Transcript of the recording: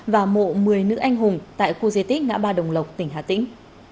và mộ một mươi nữ anh hùng tại khu di tích ngã ba đồng lộc tỉnh hà tĩnh